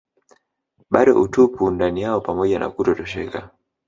bado utupu ndani yao pamoja na kutotosheka